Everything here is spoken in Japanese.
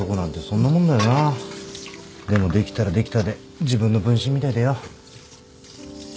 でもできたらできたで自分の分身みたいでよ。